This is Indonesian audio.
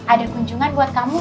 ada kunjungan buat kamu